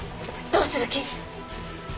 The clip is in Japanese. どうする気？